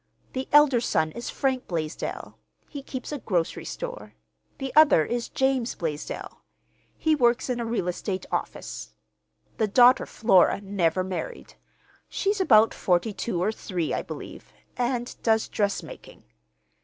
The elder son is Frank Blaisdell. He keeps a grocery store. The other is James Blaisdell. He works in a real estate office. The daughter, Flora, never married. She's about forty two or three, I believe, and does dressmaking.